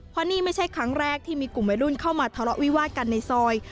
เพราะนี่ไม่ใช่ครั้งแรกที่มีกลุ่มใหญ่รุ่นเข้ามาตำรวจวิวาดช่องในซอย